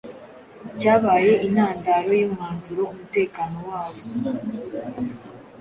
cyabaye intandaro y’umwanzuro umutekano wabo